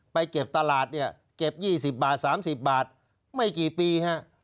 ไปเก็บตลาดเนี่ยเก็บ๒๐บาท๓๐บาทไม่กี่ปีฮะ